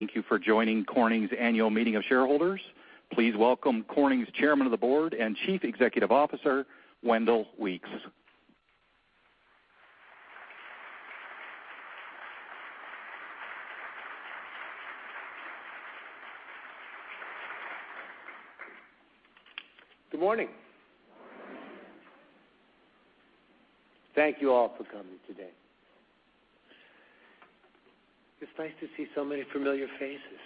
Thank you for joining Corning's annual meeting of shareholders. Please welcome Corning's Chairman of the Board and Chief Executive Officer, Wendell Weeks. Good morning. Good morning. Thank you all for coming today. It's nice to see so many familiar faces.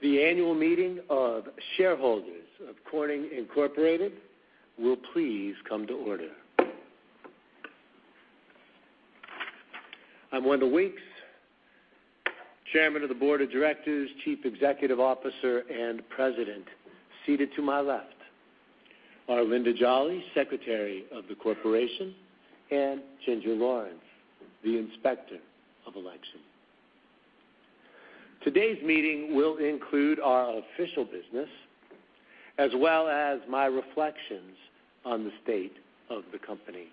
The annual meeting of shareholders of Corning Incorporated will please come to order. I'm Wendell Weeks, Chairman of the Board of Directors, Chief Executive Officer, and President. Seated to my left are Linda Jolly, Secretary of the Corporation, and Ginger Lawrence, the Inspector of Election. Today's meeting will include our official business as well as my reflections on the state of the company.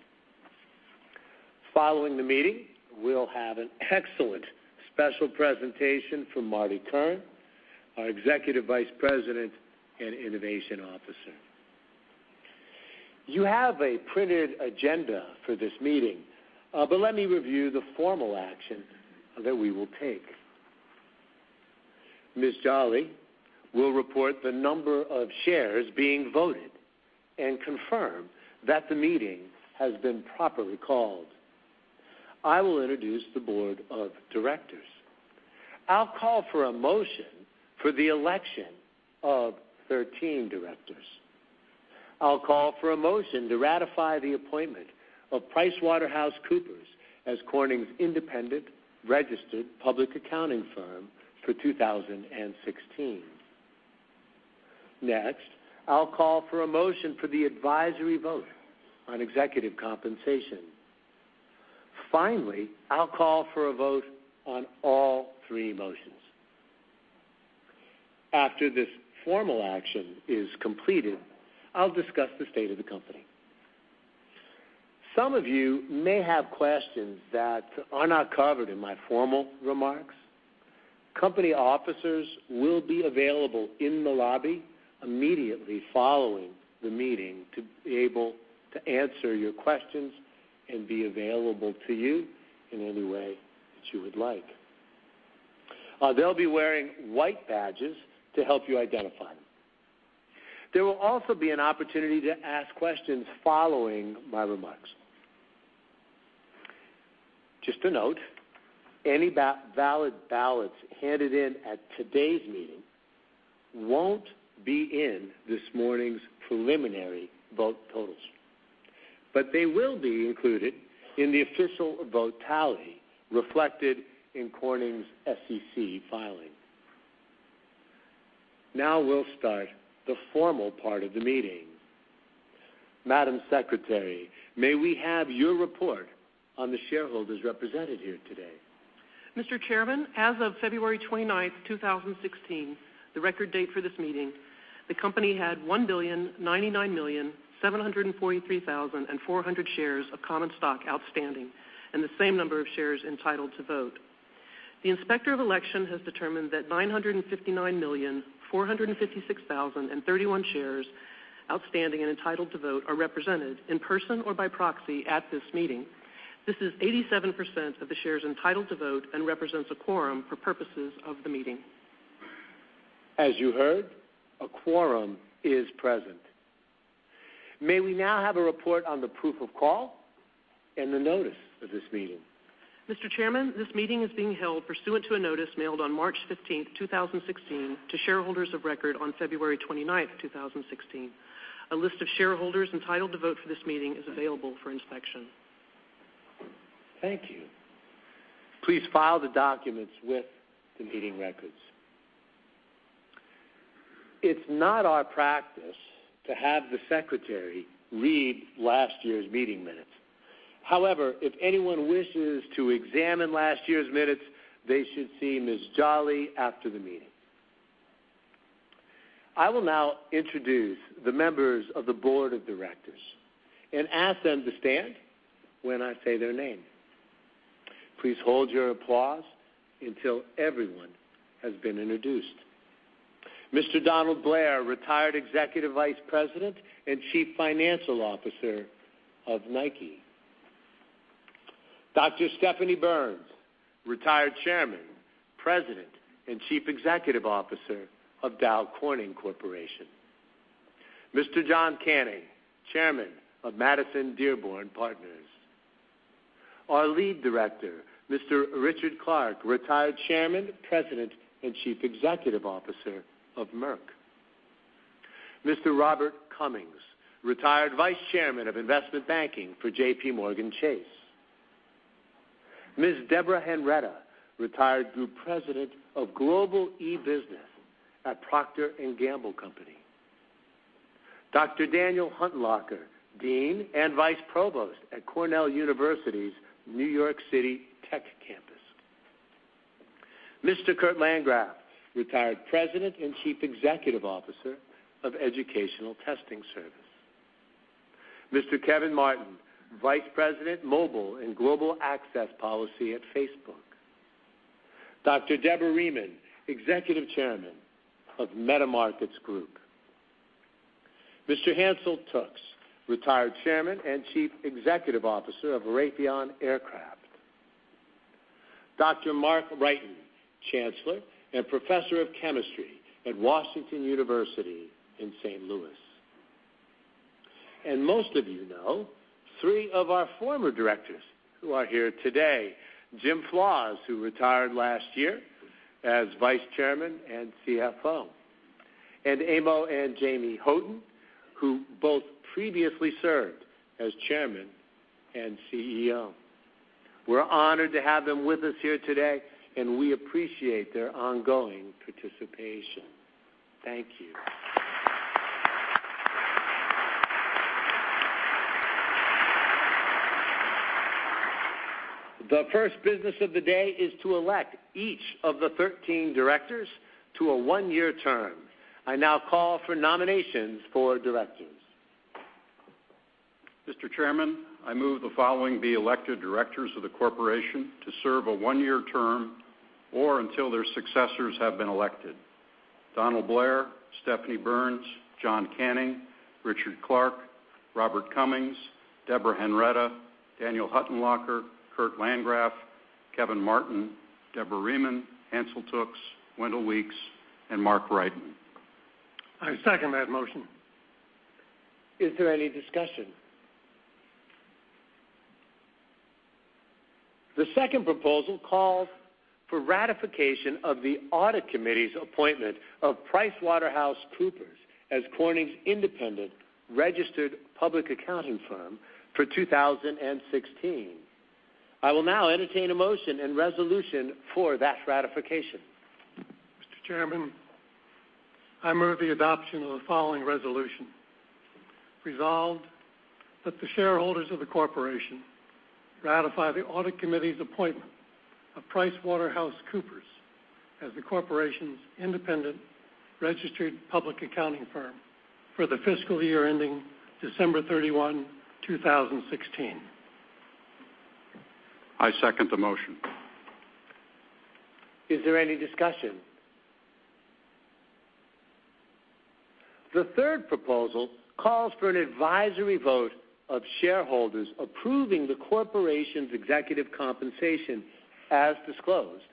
Following the meeting, we'll have an excellent special presentation from Marty Curran, our Executive Vice President and Innovation Officer. You have a printed agenda for this meeting, but let me review the formal action that we will take. Ms. Jolly will report the number of shares being voted and confirm that the meeting has been properly called. I will introduce the Board of Directors. I'll call for a motion for the election of 13 directors. I'll call for a motion to ratify the appointment of PricewaterhouseCoopers as Corning's independent registered public accounting firm for 2016. Next, I'll call for a motion for the advisory vote on executive compensation. Finally, I'll call for a vote on all three motions. After this formal action is completed, I'll discuss the state of the company. Some of you may have questions that are not covered in my formal remarks. Company officers will be available in the lobby immediately following the meeting to be able to answer your questions and be available to you in any way that you would like. They'll be wearing white badges to help you identify them. There will also be an opportunity to ask questions following my remarks. Just a note, any valid ballots handed in at today's meeting won't be in this morning's preliminary vote totals, but they will be included in the official vote tally reflected in Corning's SEC filing. Now we'll start the formal part of the meeting. Madam Secretary, may we have your report on the shareholders represented here today? Mr. Chairman, as of February 29th, 2016, the record date for this meeting, the company had 1,099,743,400 shares of common stock outstanding and the same number of shares entitled to vote. The Inspector of Election has determined that 959,456,031 shares outstanding and entitled to vote are represented in person or by proxy at this meeting. This is 87% of the shares entitled to vote and represents a quorum for purposes of the meeting. As you heard, a quorum is present. May we now have a report on the proof of call and the notice of this meeting? Mr. Chairman, this meeting is being held pursuant to a notice mailed on March 15th, 2016, to shareholders of record on February 29th, 2016. A list of shareholders entitled to vote for this meeting is available for inspection. Thank you. Please file the documents with the meeting records. It's not our practice to have the Secretary read last year's meeting minutes. However, if anyone wishes to examine last year's minutes, they should see Ms. Jolly after the meeting. I will now introduce the members of the Board of Directors and ask them to stand when I say their name. Please hold your applause until everyone has been introduced. Mr. Donald Blair, retired Executive Vice President and Chief Financial Officer of NIKE. Dr. Stephanie Burns, retired Chairman, President, and Chief Executive Officer of Dow Corning Corporation. Mr. John Canning, Chairman of Madison Dearborn Partners. Our Lead Director, Mr. Richard Clark, retired Chairman, President, and Chief Executive Officer of Merck. Mr. Robert Cummings, retired Vice Chairman of Investment Banking for JPMorgan Chase. Ms. Deborah Henretta, retired Group President of Global eBusiness at The Procter & Gamble Company. Dr. Daniel Huttenlocher, Dean and Vice Provost at Cornell Tech. Mr. Kurt Landgraf, retired President and Chief Executive Officer of Educational Testing Service. Mr. Kevin Martin, Vice President, Mobile and Global Access Policy at Facebook. Dr. Deborah Rieman, Executive Chairman of Metamarkets Group. Mr. Hansel Tookes, retired Chairman and Chief Executive Officer of Raytheon Aircraft. Dr. Mark Wrighton, Chancellor and Professor of Chemistry at Washington University in St. Louis. Most of you know three of our former Directors who are here today, Jim Flaws, who retired last year as Vice Chairman and CFO, and Amo and Jamie Houghton, who both previously served as Chairman and CEO. We're honored to have them with us here today, and we appreciate their ongoing participation. Thank you. The first business of the day is to elect each of the 13 Directors to a one-year term. I now call for nominations for Directors. Mr. Chairman, I move the following be elected directors of the corporation to serve a one-year term or until their successors have been elected: Donald Blair, Stephanie Burns, John Canning, Richard Clark, Robert Cummings, Deborah Henretta, Daniel Huttenlocher, Kurt Landgraf, Kevin Martin, Deborah Rieman, Hansel Tookes, Wendell Weeks, and Mark Wrighton. I second that motion. Is there any discussion? The second proposal calls for ratification of the audit committee's appointment of PricewaterhouseCoopers as Corning's independent registered public accounting firm for 2016. I will now entertain a motion and resolution for that ratification. Mr. Chairman, I move the adoption of the following resolution. Resolved that the shareholders of the corporation ratify the audit committee's appointment of PricewaterhouseCoopers as the corporation's independent registered public accounting firm for the fiscal year ending December 31, 2016. I second the motion. Is there any discussion? The third proposal calls for an advisory vote of shareholders approving the corporation's executive compensation as disclosed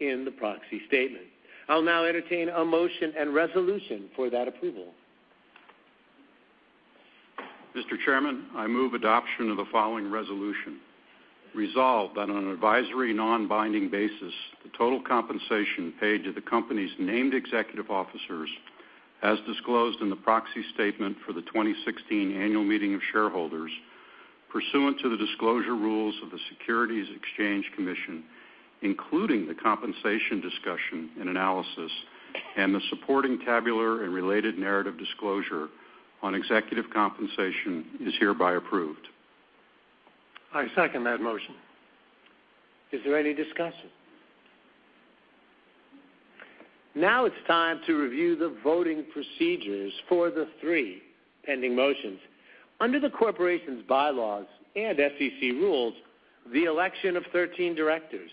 in the proxy statement. I'll now entertain a motion and resolution for that approval. Mr. Chairman, I move adoption of the following resolution. Resolved that on an advisory, non-binding basis, the total compensation paid to the company's named executive officers, as disclosed in the proxy statement for the 2016 annual meeting of shareholders, pursuant to the disclosure rules of the Securities and Exchange Commission, including the compensation discussion and analysis and the supporting tabular and related narrative disclosure on executive compensation is hereby approved. I second that motion. Is there any discussion? It's time to review the voting procedures for the three pending motions. Under the corporation's bylaws and SEC rules, the election of 13 directors,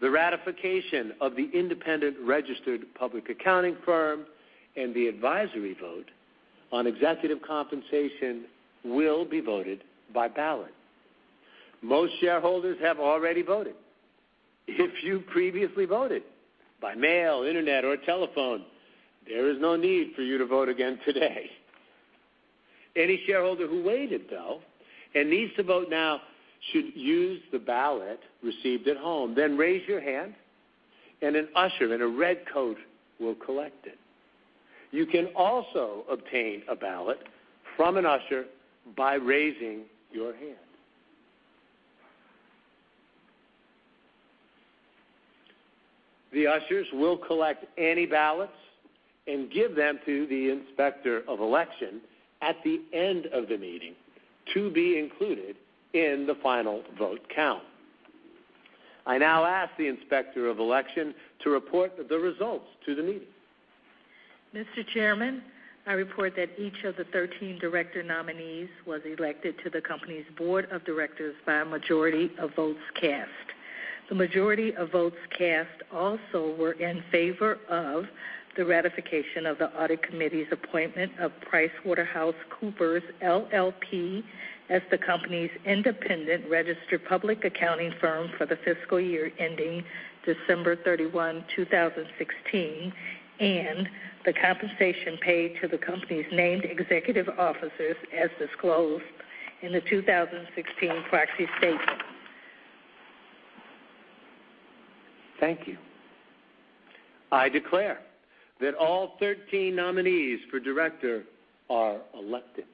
the ratification of the independent registered public accounting firm, and the advisory vote on executive compensation will be voted by ballot. Most shareholders have already voted. If you previously voted by mail, internet, or telephone, there is no need for you to vote again today. Any shareholder who waited though and needs to vote now should use the ballot received at home, then raise your hand and an usher in a red coat will collect it. You can also obtain a ballot from an usher by raising your hand. The ushers will collect any ballots and give them to the Inspector of Election at the end of the meeting to be included in the final vote count. I now ask the Inspector of Election to report the results to the meeting. Mr. Chairman, I report that each of the 13 director nominees was elected to the company's board of directors by a majority of votes cast. The majority of votes cast also were in favor of the ratification of the audit committee's appointment of PricewaterhouseCoopers LLP as the company's independent registered public accounting firm for the fiscal year ending December 31, 2016, and the compensation paid to the company's named executive officers as disclosed in the 2016 proxy statement. Thank you. I declare that all 13 nominees for director are elected.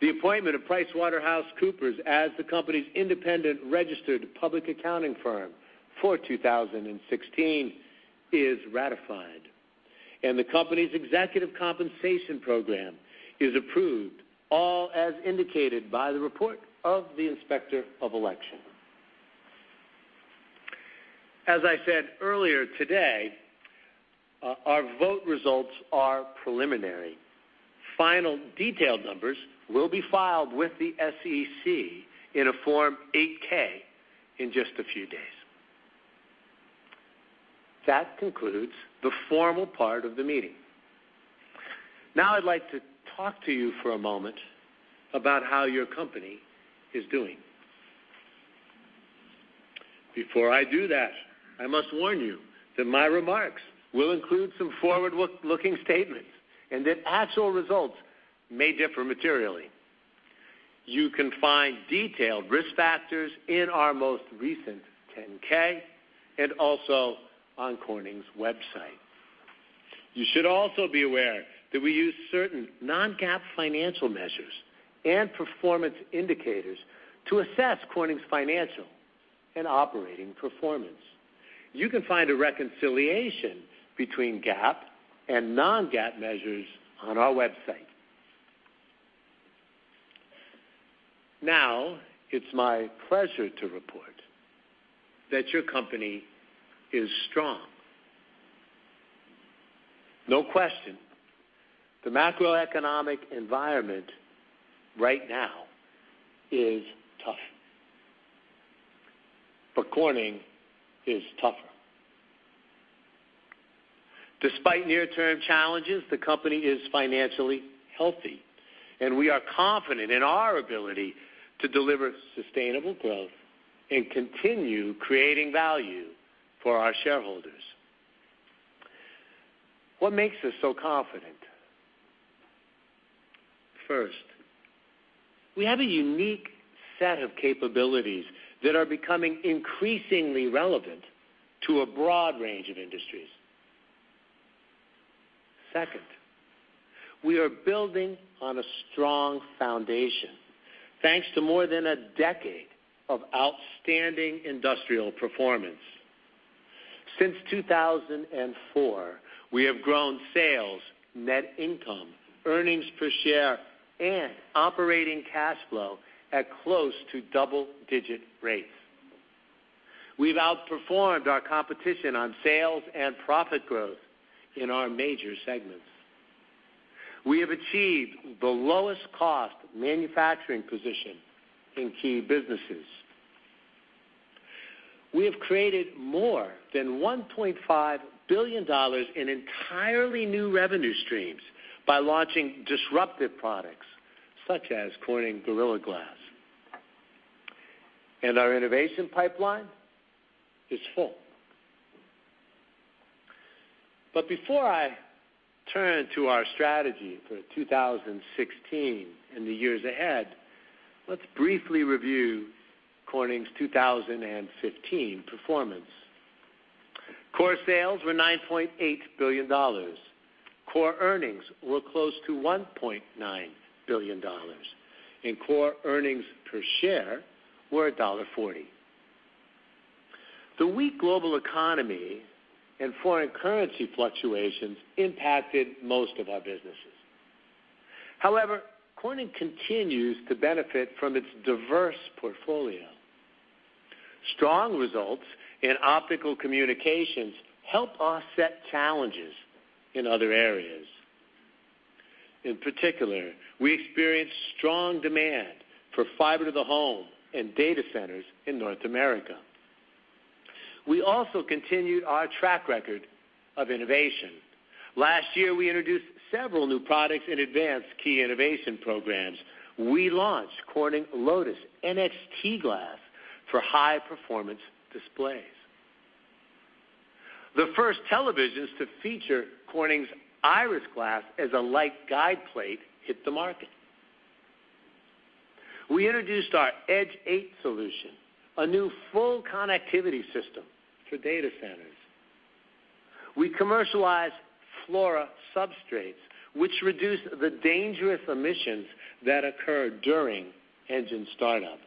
The appointment of PricewaterhouseCoopers as the company's independent registered public accounting firm for 2016 is ratified. The company's executive compensation program is approved, all as indicated by the report of the Inspector of Election. As I said earlier today, our vote results are preliminary. Final detailed numbers will be filed with the SEC in a Form 8-K in just a few days. That concludes the formal part of the meeting. I'd like to talk to you for a moment about how your company is doing. Before I do that, I must warn you that my remarks will include some forward-looking statements and that actual results may differ materially. You can find detailed risk factors in our most recent 10-K and also on Corning's website. You should also be aware that we use certain non-GAAP financial measures and performance indicators to assess Corning's financial and operating performance. You can find a reconciliation between GAAP and non-GAAP measures on our website. Now, it's my pleasure to report that your company is strong. No question, the macroeconomic environment right now is tough, but Corning is tougher. Despite near-term challenges, the company is financially healthy, and we are confident in our ability to deliver sustainable growth and continue creating value for our shareholders. What makes us so confident? First, we have a unique set of capabilities that are becoming increasingly relevant to a broad range of industries. Second, we are building on a strong foundation, thanks to more than a decade of outstanding industrial performance. Since 2004, we have grown sales, net income, earnings per share, and operating cash flow at close to double-digit rates. We've outperformed our competition on sales and profit growth in our major segments. We have achieved the lowest cost manufacturing position in key businesses. We have created more than $1.5 billion in entirely new revenue streams by launching disruptive products, such as Corning Gorilla Glass. Our innovation pipeline is full. Before I turn to our strategy for 2016 and the years ahead, let's briefly review Corning's 2015 performance. Core sales were $9.8 billion. Core earnings were close to $1.9 billion, and core earnings per share were $1.40. The weak global economy and foreign currency fluctuations impacted most of our businesses. However, Corning continues to benefit from its diverse portfolio. Strong results in Optical Communications help offset challenges in other areas. In particular, we experienced strong demand for fiber to the home and data centers in North America. We also continued our track record of innovation. Last year, we introduced several new products and advanced key innovation programs. We launched Corning Lotus NXT Glass for high-performance displays. The first televisions to feature Corning's Iris Glass as a light guideplate hit the market. We introduced our EDGE8 solution, a new full connectivity system for data centers. We commercialized FLORA substrates, which reduce the dangerous emissions that occur during engine startup.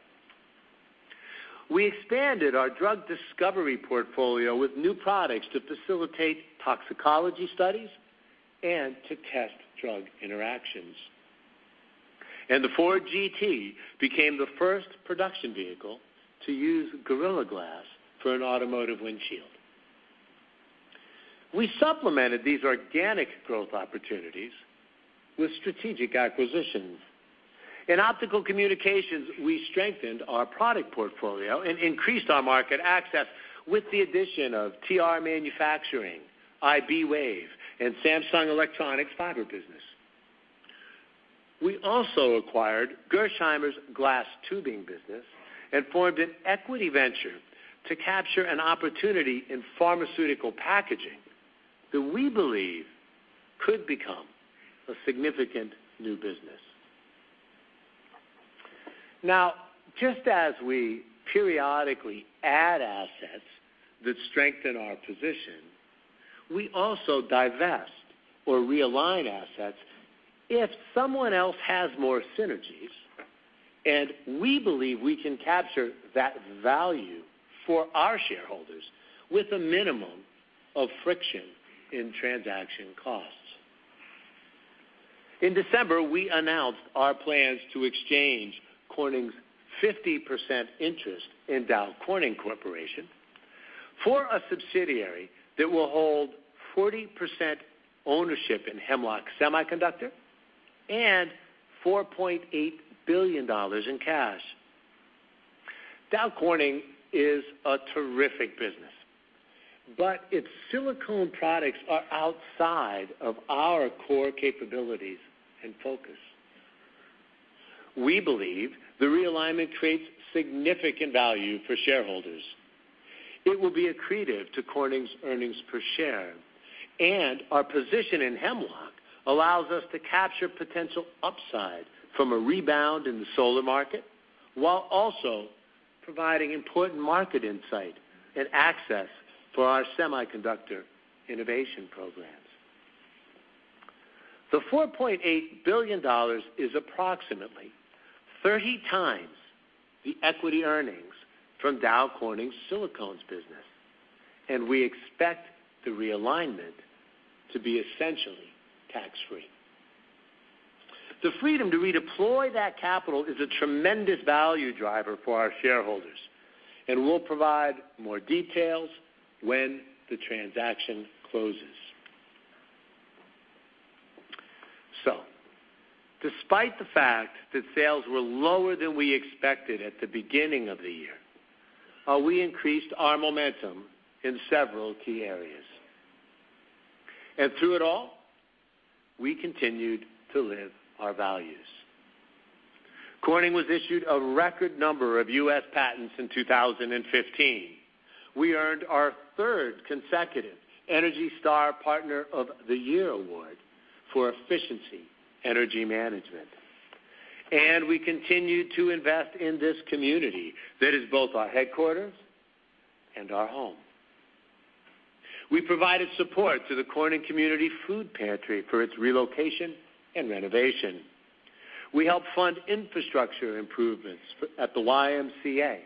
We expanded our drug discovery portfolio with new products to facilitate toxicology studies and to test drug interactions. The Ford GT became the first production vehicle to use Gorilla Glass for an automotive windshield. We supplemented these organic growth opportunities with strategic acquisitions. In Optical Communications, we strengthened our product portfolio and increased our market access with the addition of TR Manufacturing, iBwave, and Samsung Electronics fiber business. We also acquired Gerresheimer's glass tubing business and formed an equity venture to capture an opportunity in pharmaceutical packaging that we believe could become a significant new business. Now, just as we periodically add assets that strengthen our position, we also divest or realign assets if someone else has more synergies. We believe we can capture that value for our shareholders with a minimum of friction in transaction costs. In December, we announced our plans to exchange Corning's 50% interest in Dow Corning Corporation for a subsidiary that will hold 40% ownership in Hemlock Semiconductor and $4.8 billion in cash. Dow Corning is a terrific business, but its silicone products are outside of our core capabilities and focus. We believe the realignment creates significant value for shareholders. It will be accretive to Corning's earnings per share, our position in Hemlock allows us to capture potential upside from a rebound in the solar market, while also providing important market insight and access to our semiconductor innovation programs. The $4.8 billion is approximately 30 times the equity earnings from Dow Corning Silicones business, we expect the realignment to be essentially tax-free. The freedom to redeploy that capital is a tremendous value driver for our shareholders, we'll provide more details when the transaction closes. Despite the fact that sales were lower than we expected at the beginning of the year, we increased our momentum in several key areas. Through it all, we continued to live our values. Corning was issued a record number of U.S. patents in 2015. We earned our third consecutive ENERGY STAR Partner of the Year Award for efficiency energy management. We continued to invest in this community that is both our headquarters and our home. We provided support to the Corning Community Food Pantry for its relocation and renovation. We helped fund infrastructure improvements at the YMCA.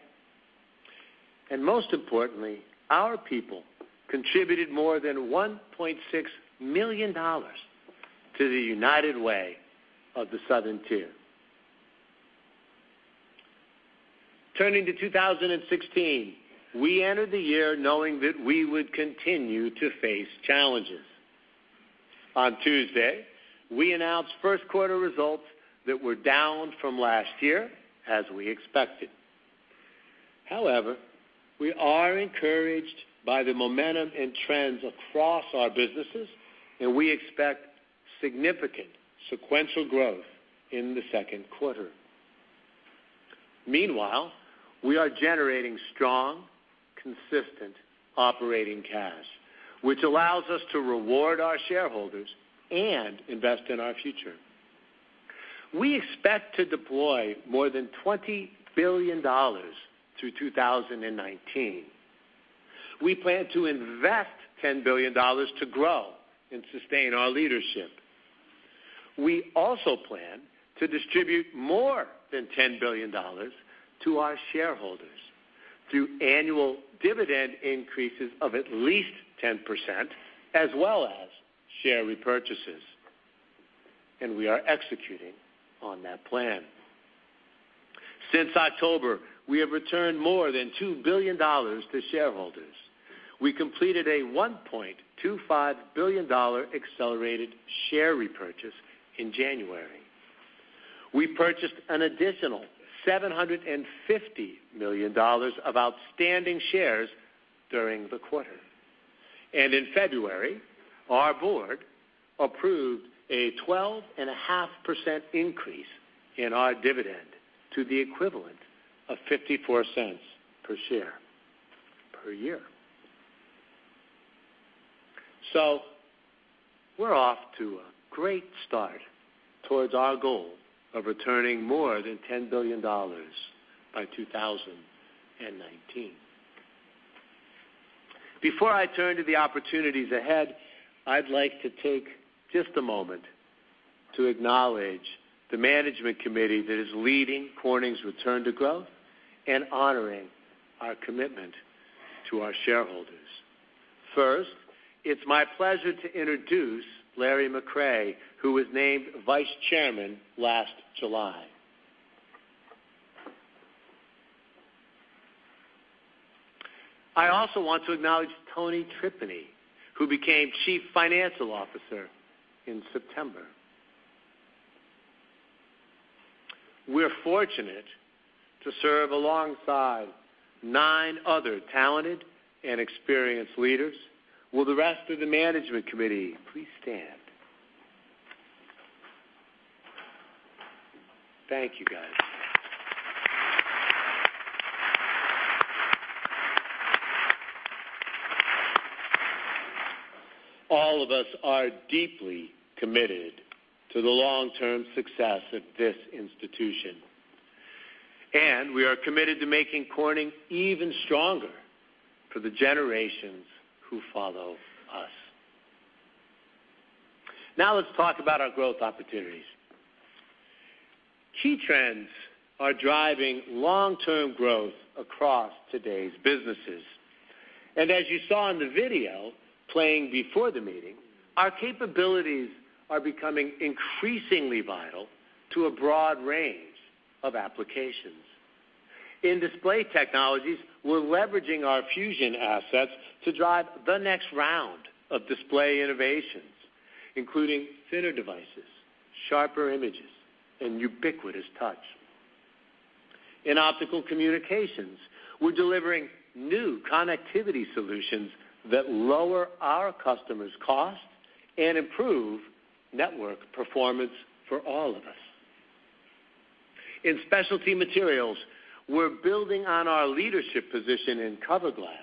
Most importantly, our people contributed more than $1.6 million to the United Way of the Southern Tier. Turning to 2016, we entered the year knowing that we would continue to face challenges. On Tuesday, we announced first-quarter results that were down from last year, as we expected. However, we are encouraged by the momentum and trends across our businesses, we expect significant sequential growth in the second quarter. Meanwhile, we are generating strong, consistent operating cash, which allows us to reward our shareholders and invest in our future. We expect to deploy more than $20 billion through 2019. We plan to invest $10 billion to grow and sustain our leadership. We also plan to distribute more than $10 billion to our shareholders through annual dividend increases of at least 10%, as well as share repurchases. We are executing on that plan. Since October, we have returned more than $2 billion to shareholders. We completed a $1.25 billion accelerated share repurchase in January. We purchased an additional $750 million of outstanding shares during the quarter. In February, our board approved a 12.5% increase in our dividend to the equivalent of $0.54 per share per year. We're off to a great start towards our goal of returning more than $10 billion by 2019. Before I turn to the opportunities ahead, I'd like to take just a moment to acknowledge the management committee that is leading Corning's return to growth and honoring our commitment to our shareholders. First, it's my pleasure to introduce Larry McRae, who was named Vice Chairman last July. I also want to acknowledge Tony Tripeny, who became Chief Financial Officer in September. We're fortunate to serve alongside nine other talented and experienced leaders. Will the rest of the management committee please stand? Thank you, guys. All of us are deeply committed to the long-term success of this institution, we are committed to making Corning even stronger for the generations who follow us. Let's talk about our growth opportunities. Key trends are driving long-term growth across today's businesses. As you saw in the video playing before the meeting, our capabilities are becoming increasingly vital to a broad range of applications. In Display Technologies, we're leveraging our fusion assets to drive the next round of display innovations, including thinner devices, sharper images, and ubiquitous touch. In Optical Communications, we're delivering new connectivity solutions that lower our customers' costs and improve network performance for all of us. In Specialty Materials, we're building on our leadership position in cover glass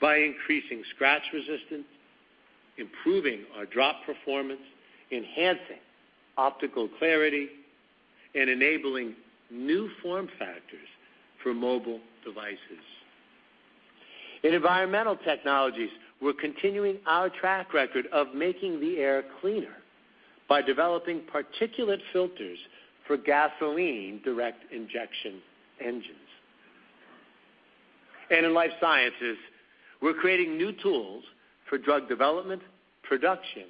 by increasing scratch resistance, improving our drop performance, enhancing optical clarity, and enabling new form factors for mobile devices. In Environmental Technologies, we're continuing our track record of making the air cleaner by developing particulate filters for gasoline direct injection engines. In life sciences, we're creating new tools for drug development, production,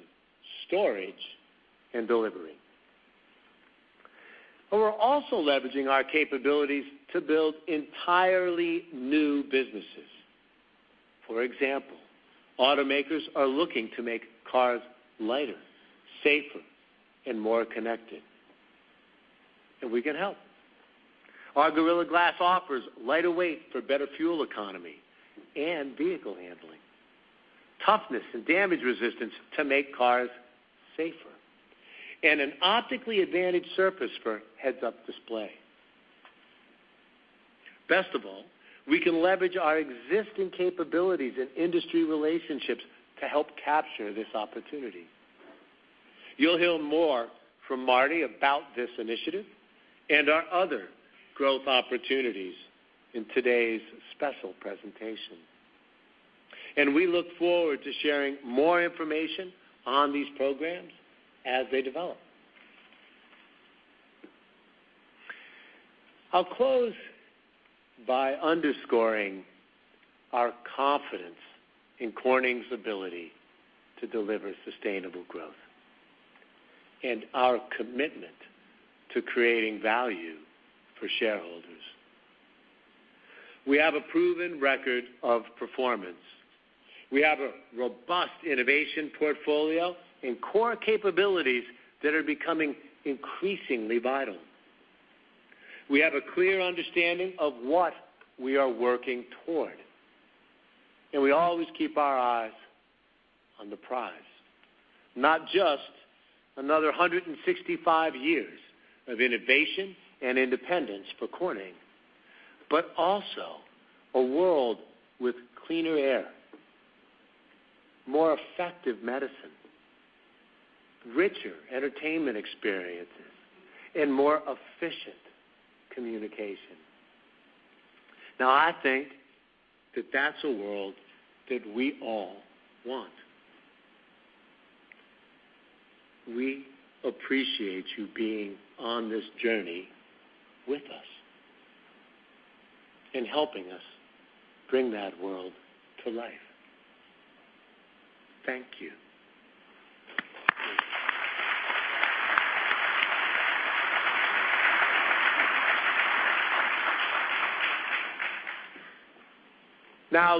storage, and delivery. We're also leveraging our capabilities to build entirely new businesses. For example, automakers are looking to make cars lighter, safer, and more connected, and we can help. Our Gorilla Glass offers lighter weight for better fuel economy and vehicle handling, toughness and damage resistance to make cars safer, and an optically advantaged surface for heads-up display. Best of all, we can leverage our existing capabilities and industry relationships to help capture this opportunity. You'll hear more from Marty about this initiative and our other growth opportunities in today's special presentation, we look forward to sharing more information on these programs as they develop. I'll close by underscoring our confidence in Corning's ability to deliver sustainable growth and our commitment to creating value for shareholders. We have a proven record of performance. We have a robust innovation portfolio and core capabilities that are becoming increasingly vital. We have a clear understanding of what we are working toward, and we always keep our eyes on the prize. Not just another 165 years of innovation and independence for Corning, but also a world with cleaner air, more effective medicine, richer entertainment experiences, and more efficient communication. I think that that's a world that we all want. We appreciate you being on this journey with us and helping us bring that world to life. Thank you.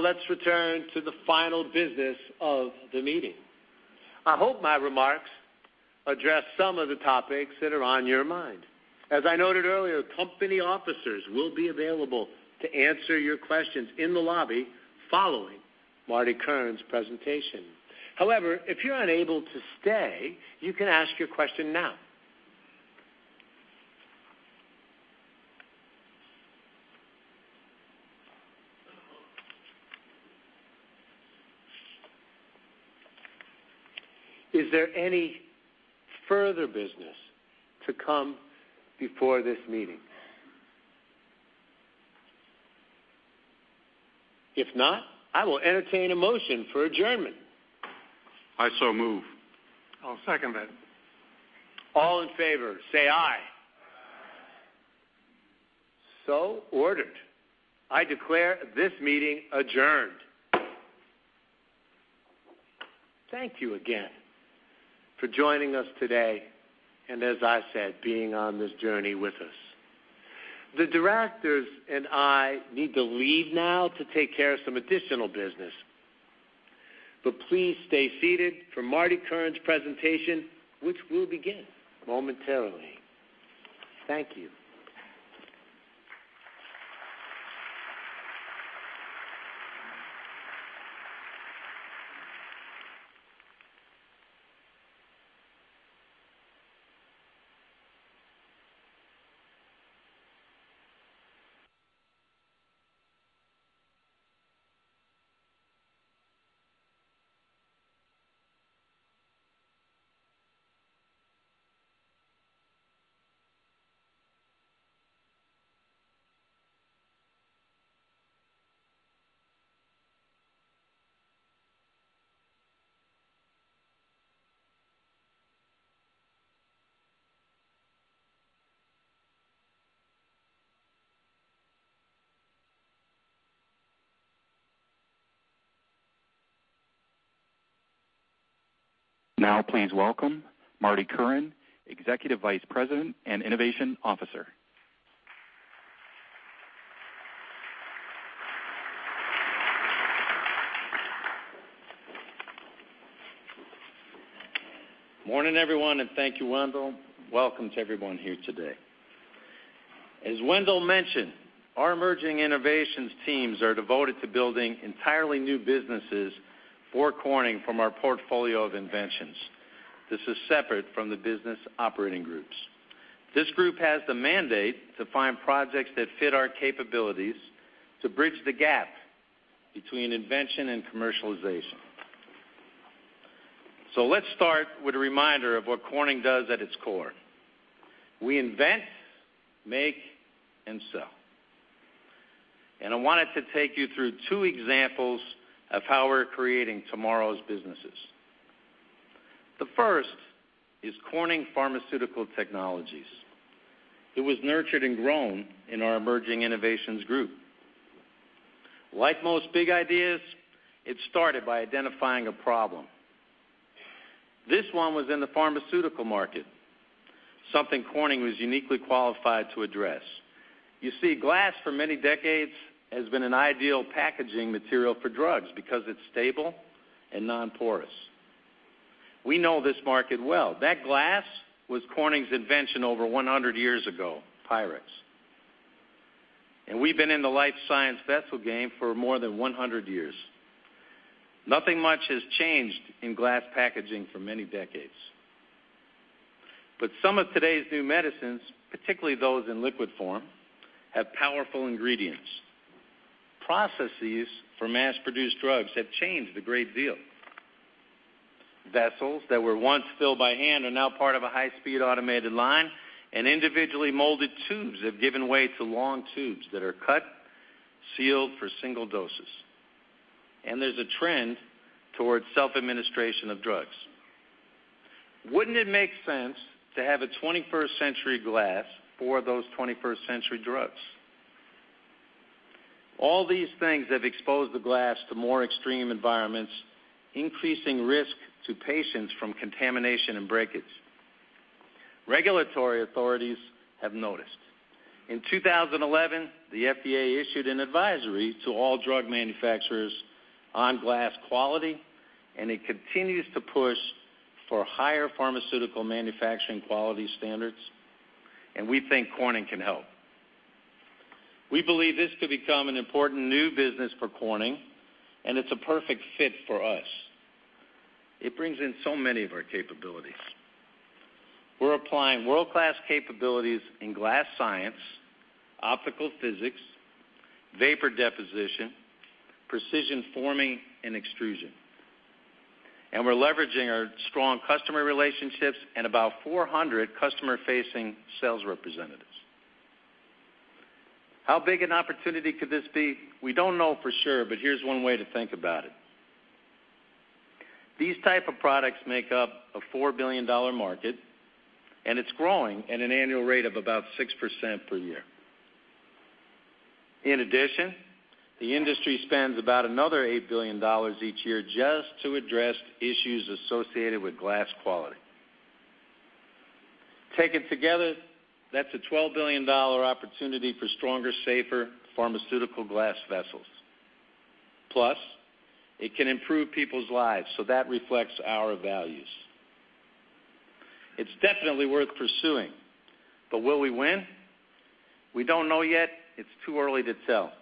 Let's return to the final business of the meeting. I hope my remarks address some of the topics that are on your mind. As I noted earlier, company officers will be available to answer your questions in the lobby following Marty Curran's presentation. However, if you're unable to stay, you can ask your question now. Is there any further business to come before this meeting? If not, I will entertain a motion for adjournment. I so move. I'll second that. All in favor, say aye. Aye. Ordered. I declare this meeting adjourned. Thank you again for joining us today and, as I said, being on this journey with us. The directors and I need to leave now to take care of some additional business, but please stay seated for Marty Curran's presentation, which will begin momentarily. Thank you. Now please welcome Marty Curran, Executive Vice President and Innovation Officer. Morning, everyone, and thank you, Wendell. Welcome to everyone here today. As Wendell mentioned, our emerging innovations teams are devoted to building entirely new businesses for Corning from our portfolio of inventions. This is separate from the business operating groups. This group has the mandate to find projects that fit our capabilities to bridge the gap between invention and commercialization. Let's start with a reminder of what Corning does at its core. We invent, make, and sell. I wanted to take you through two examples of how we're creating tomorrow's businesses. The first is Corning Pharmaceutical Technologies. It was nurtured and grown in our emerging innovations group. Like most big ideas, it started by identifying a problem. This one was in the pharmaceutical market, something Corning was uniquely qualified to address. You see, glass for many decades has been an ideal packaging material for drugs because it's stable and non-porous. We know this market well. That glass was Corning's invention over 100 years ago, Pyrex. We've been in the life science vessel game for more than 100 years. Nothing much has changed in glass packaging for many decades. Some of today's new medicines, particularly those in liquid form, have powerful ingredients. Processes for mass-produced drugs have changed a great deal. Vessels that were once filled by hand are now part of a high-speed automated line, and individually molded tubes have given way to long tubes that are cut, sealed for single doses. There's a trend towards self-administration of drugs. Wouldn't it make sense to have a 21st-century glass for those 21st-century drugs? All these things have exposed the glass to more extreme environments, increasing risk to patients from contamination and breakage. Regulatory authorities have noticed. In 2011, the FDA issued an advisory to all drug manufacturers on glass quality, and it continues to push for higher pharmaceutical manufacturing quality standards, and we think Corning can help. We believe this could become an important new business for Corning, and it's a perfect fit for us. It brings in so many of our capabilities. We're applying world-class capabilities in glass science, optical physics, vapor deposition, precision forming, and extrusion. We're leveraging our strong customer relationships and about 400 customer-facing sales representatives. How big an opportunity could this be? We don't know for sure, but here's one way to think about it. These type of products make up a $4 billion market, and it's growing at an annual rate of about 6% per year. In addition, the industry spends about another $8 billion each year just to address issues associated with glass quality. Taken together, that's a $12 billion opportunity for stronger, safer pharmaceutical glass vessels. Plus, it can improve people's lives, so that reflects our values. It's definitely worth pursuing, but will we win? We don't know yet. It's too early to tell.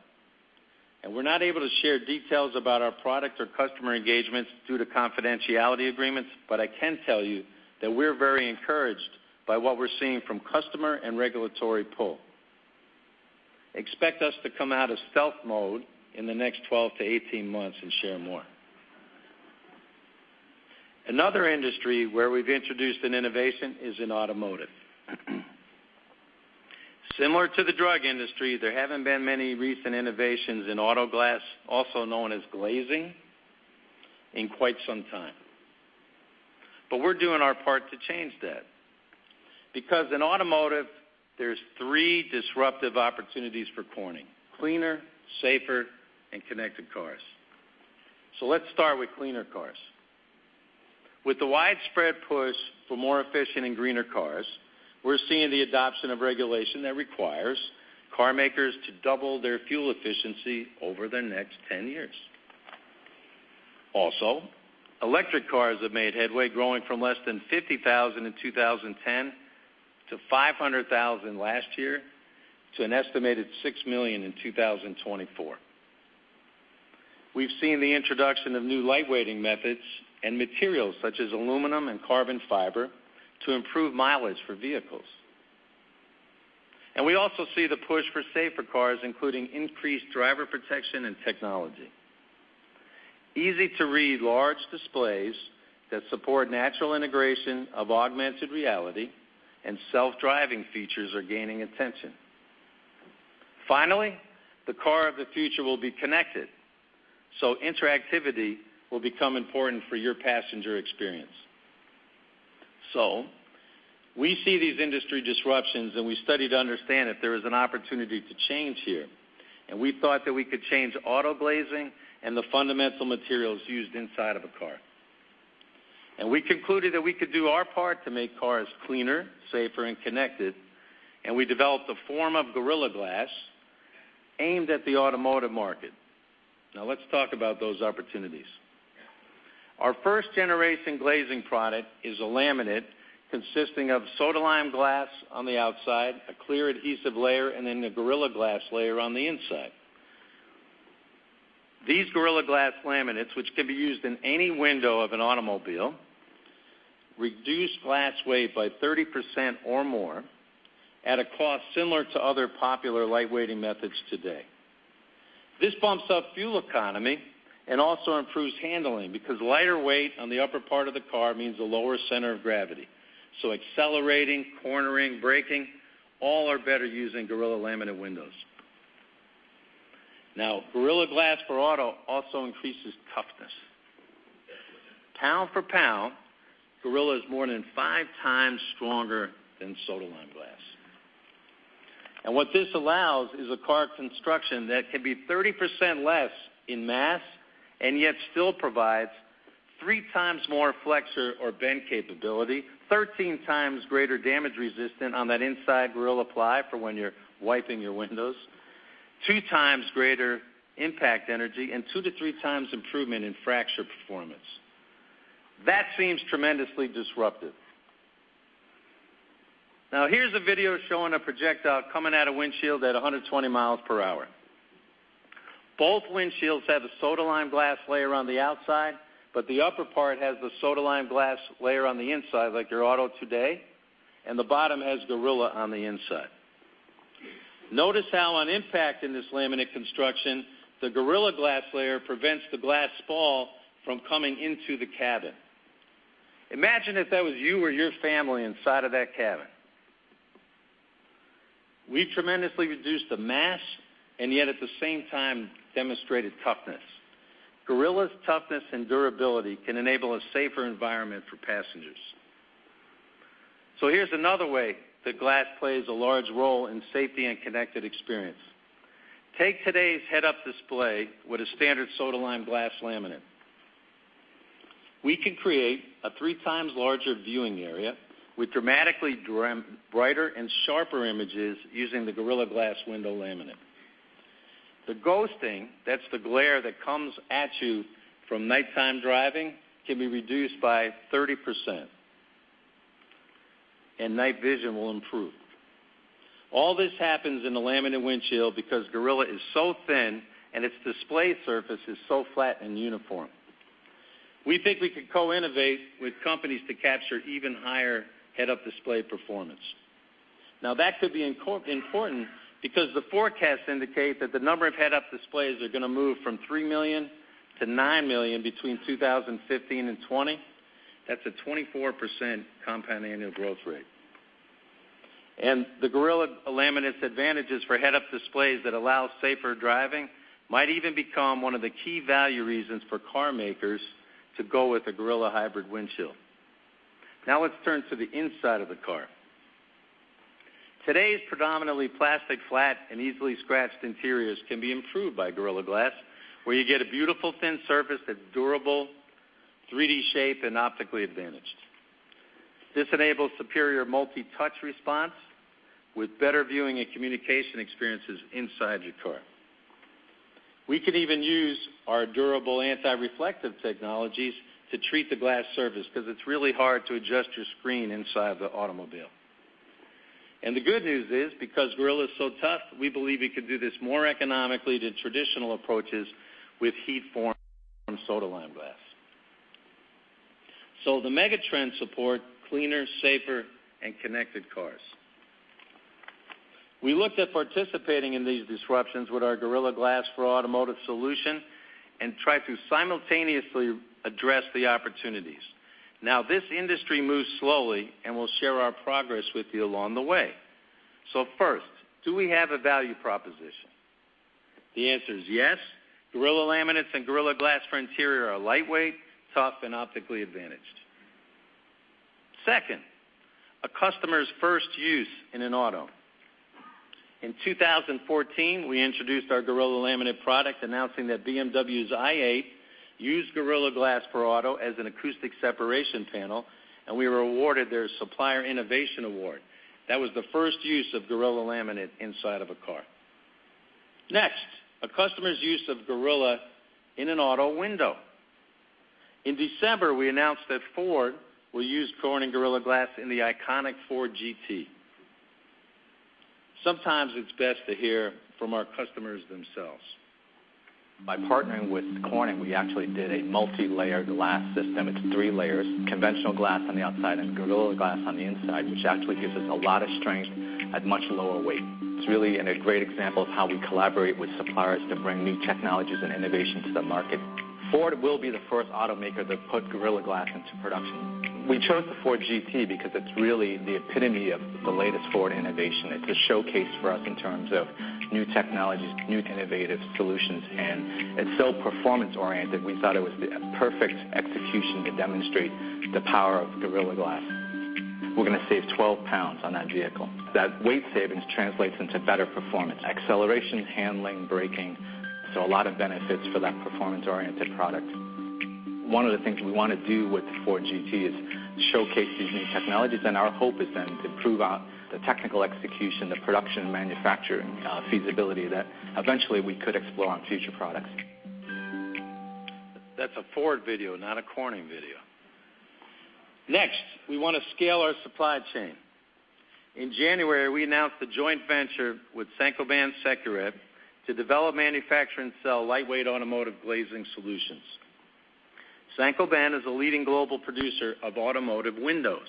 We're not able to share details about our product or customer engagements due to confidentiality agreements, but I can tell you that we're very encouraged by what we're seeing from customer and regulatory pull. Expect us to come out of stealth mode in the next 12-18 months and share more. Another industry where we've introduced an innovation is in automotive. Similar to the drug industry, there haven't been many recent innovations in auto glass, also known as glazing, in quite some time. We're doing our part to change that. In automotive, there are three disruptive opportunities for Corning: cleaner, safer, and connected cars. Let's start with cleaner cars. With the widespread push for more efficient and greener cars, we're seeing the adoption of regulation that requires car makers to double their fuel efficiency over the next 10 years. Also, electric cars have made headway, growing from less than 50,000 in 2010 to 500,000 last year to an estimated six million in 2024. We've seen the introduction of new lightweighting methods and materials such as aluminum and carbon fiber to improve mileage for vehicles. We also see the push for safer cars, including increased driver protection and technology. Easy-to-read large displays that support natural integration of augmented reality and self-driving features are gaining attention. Finally, the car of the future will be connected. Interactivity will become important for your passenger experience. We see these industry disruptions. We studied to understand that there is an opportunity to change here. We thought that we could change auto glazing and the fundamental materials used inside of a car. We concluded that we could do our part to make cars cleaner, safer, and connected. We developed a form of Gorilla Glass aimed at the automotive market. Let's talk about those opportunities. Our first-generation glazing product is a laminate consisting of soda-lime glass on the outside, a clear adhesive layer, and then the Gorilla Glass layer on the inside. These Gorilla Glass laminates, which can be used in any window of an automobile, reduce glass weight by 30% or more at a cost similar to other popular lightweighting methods today. This bumps up fuel economy and also improves handling because lighter weight on the upper part of the car means a lower center of gravity. Accelerating, cornering, braking, all are better using Gorilla laminate windows. Gorilla Glass for auto also increases toughness. Pound for pound, Gorilla is more than five times stronger than soda-lime glass. What this allows is a car construction that can be 30% less in mass and yet still provides three times more flexor or bend capability, 13 times greater damage resistance on that inside Gorilla ply for when you're wiping your windows, two times greater impact energy, and two to three times improvement in fracture performance. That seems tremendously disruptive. Here's a video showing a projectile coming at a windshield at 120 miles per hour. Both windshields have a soda-lime glass layer on the outside. The upper part has the soda-lime glass layer on the inside, like your auto today. The bottom has Gorilla on the inside. Notice how on impact in this laminate construction, the Gorilla Glass layer prevents the glass spall from coming into the cabin. Imagine if that was you or your family inside of that cabin. We tremendously reduced the mass. Yet at the same time, demonstrated toughness. Gorilla's toughness and durability can enable a safer environment for passengers. Here's another way that glass plays a large role in safety and connected experience. Take today's head-up display with a standard soda-lime glass laminate. We can create a three times larger viewing area with dramatically brighter and sharper images using the Gorilla Glass window laminate. The ghosting, that's the glare that comes at you from nighttime driving, can be reduced by 30%, and night vision will improve. All this happens in the laminate windshield because Gorilla is so thin and its display surface is so flat and uniform. We think we could co-innovate with companies to capture even higher head-up display performance. That could be important because the forecasts indicate that the number of head-up displays are going to move from 3 million to 9 million between 2015 and 2020. That's a 24% compound annual growth rate. The Gorilla laminates advantages for head-up displays that allow safer driving might even become one of the key value reasons for car makers to go with a Gorilla hybrid windshield. Let's turn to the inside of the car. Today's predominantly plastic flat and easily scratched interiors can be improved by Gorilla Glass, where you get a beautiful thin surface that's durable, 3D shape, and optically advantaged. This enables superior multi-touch response with better viewing and communication experiences inside your car. We could even use our durable anti-reflective technologies to treat the glass surface because it's really hard to adjust your screen inside the automobile. The good news is, because Gorilla is so tough, we believe we could do this more economically than traditional approaches with heat-formed soda-lime glass. The mega trends support cleaner, safer, and connected cars. We looked at participating in these disruptions with our Gorilla Glass for Automotive solution and try to simultaneously address the opportunities. This industry moves slowly, and we'll share our progress with you along the way. First, do we have a value proposition? The answer is yes. Gorilla laminates and Gorilla Glass for interior are lightweight, tough, and optically advantaged. Second, a customer's first use in an auto. In 2014, we introduced our Gorilla laminate product, announcing that BMW's i8 used Gorilla Glass for auto as an acoustic separation panel, and we were awarded their Supplier Innovation award. That was the first use of Gorilla laminate inside of a car. Next, a customer's use of Gorilla in an auto window. In December, we announced that Ford will use Corning Gorilla Glass in the iconic Ford GT. Sometimes it's best to hear from our customers themselves. By partnering with Corning, we actually did a multilayer glass system. It's three layers, conventional glass on the outside and Gorilla Glass on the inside, which actually gives us a lot of strength at much lower weight. It's really a great example of how we collaborate with suppliers to bring new technologies and innovation to the market. Ford will be the first automaker to put Gorilla Glass into production. We chose the Ford GT because it's really the epitome of the latest Ford innovation. It's a showcase for us in terms of new technologies, new innovative solutions, and it's so performance-oriented, we thought it was the perfect execution to demonstrate the power of Gorilla Glass. We're going to save 12 pounds on that vehicle. That weight savings translates into better performance, acceleration, handling, braking. A lot of benefits for that performance-oriented product. One of the things we want to do with the Ford GT is showcase these new technologies, our hope is then to prove out the technical execution, the production and manufacturing feasibility that eventually we could explore on future products. That's a Ford video, not a Corning video. Next, we want to scale our supply chain. In January, we announced a joint venture with Saint-Gobain Sekurit to develop, manufacture, and sell lightweight automotive glazing solutions. Saint-Gobain is a leading global producer of automotive windows.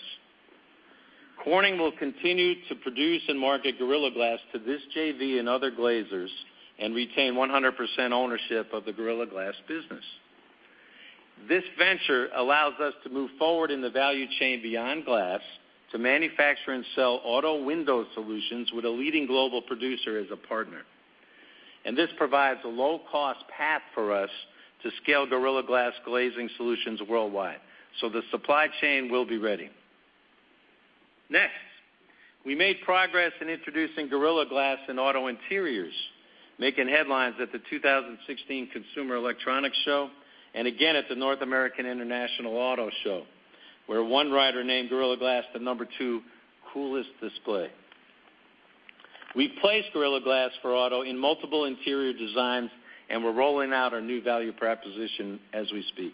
Corning will continue to produce and market Gorilla Glass to this JV and other glazers and retain 100% ownership of the Gorilla Glass business. This venture allows us to move forward in the value chain beyond glass to manufacture and sell auto window solutions with a leading global producer as a partner. This provides a low-cost path for us to scale Gorilla Glass glazing solutions worldwide. The supply chain will be ready. Next, we made progress in introducing Gorilla Glass in auto interiors, making headlines at the 2016 Consumer Electronics Show and again at the North American International Auto Show, where one writer named Gorilla Glass the number 2 coolest display. We placed Gorilla Glass for auto in multiple interior designs, we're rolling out our new value proposition as we speak.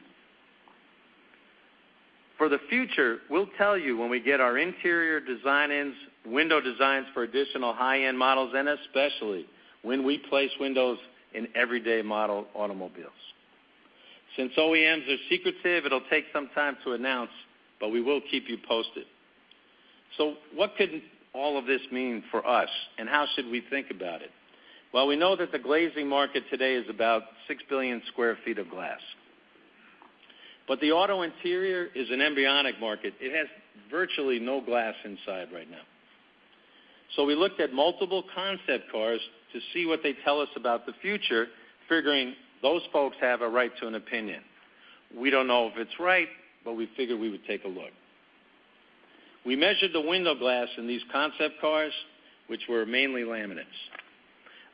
For the future, we'll tell you when we get our interior window designs for additional high-end models, especially, when we place windows in everyday model automobiles. Since OEMs are secretive, it'll take some time to announce, but we will keep you posted. What could all of this mean for us, and how should we think about it? Well, we know that the glazing market today is about 6 billion sq ft of glass. The auto interior is an embryonic market. It has virtually no glass inside right now. We looked at multiple concept cars to see what they tell us about the future, figuring those folks have a right to an opinion. We don't know if it's right, we figured we would take a look. We measured the window glass in these concept cars, which were mainly laminates.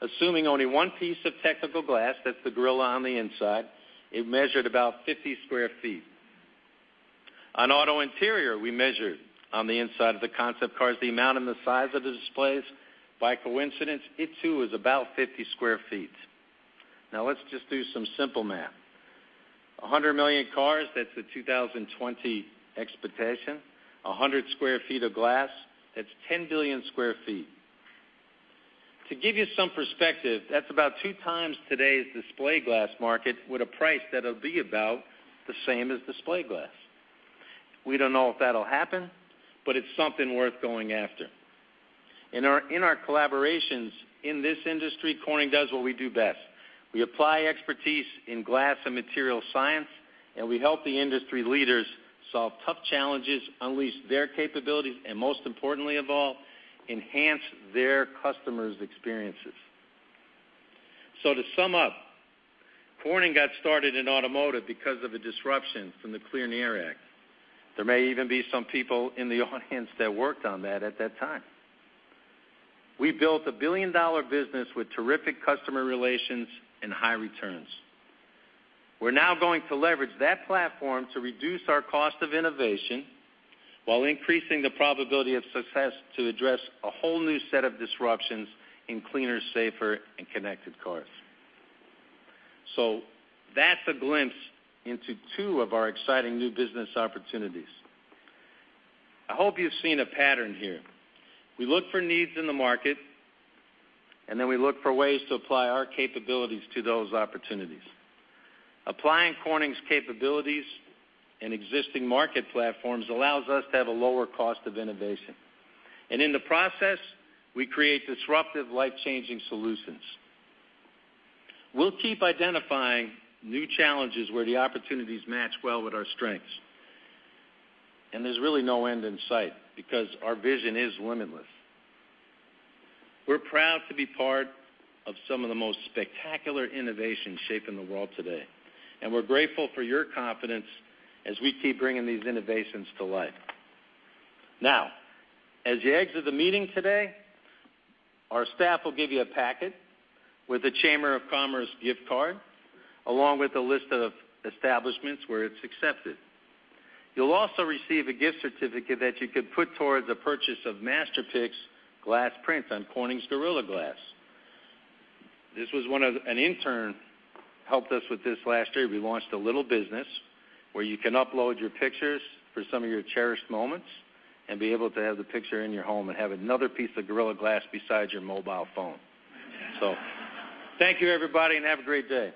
Assuming only one piece of technical glass, that's the Gorilla on the inside, it measured about 50 sq ft. On auto interior, we measured on the inside of the concept cars the amount and the size of the displays. By coincidence, it too was about 50 sq ft. Let's just do some simple math. 100 million cars, that's the 2020 expectation. 100 sq ft of glass, that's 10 billion sq ft. To give you some perspective, that's about two times today's display glass market with a price that'll be about the same as display glass. We don't know if that'll happen, but it's something worth going after. In our collaborations in this industry, Corning does what we do best. We apply expertise in glass and material science, and we help the industry leaders solve tough challenges, unleash their capabilities, and most importantly of all, enhance their customers' experiences. To sum up, Corning got started in automotive because of a disruption from the Clean Air Act. There may even be some people in the audience that worked on that at that time. We built a billion-dollar business with terrific customer relations and high returns. We're now going to leverage that platform to reduce our cost of innovation while increasing the probability of success to address a whole new set of disruptions in cleaner, safer, and connected cars. That's a glimpse into two of our exciting new business opportunities. I hope you've seen a pattern here. We look for needs in the market, then we look for ways to apply our capabilities to those opportunities. Applying Corning's capabilities and existing market platforms allows us to have a lower cost of innovation. In the process, we create disruptive, life-changing solutions. We'll keep identifying new challenges where the opportunities match well with our strengths. There's really no end in sight because our vision is limitless. We're proud to be part of some of the most spectacular innovations shaping the world today, and we're grateful for your confidence as we keep bringing these innovations to life. Now, as you exit the meeting today, our staff will give you a packet with a Chamber of Commerce gift card, along with a list of establishments where it's accepted. You'll also receive a gift certificate that you can put towards the purchase of MASTERPIX glass prints on Corning's Gorilla Glass. An intern helped us with this last year. We launched a little business where you can upload your pictures for some of your cherished moments and be able to have the picture in your home and have another piece of Gorilla Glass besides your mobile phone. Thank you, everybody, and have a great day.